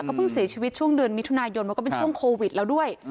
เพิ่งเสียชีวิตช่วงเดือนมิถุนายนมันก็เป็นช่วงโควิดแล้วด้วย